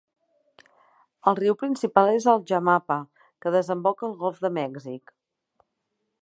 El riu principal és el Jamapa, que desemboca al Golf de Mèxic.